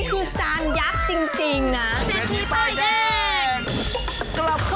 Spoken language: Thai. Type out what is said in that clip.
๕ล้านบาท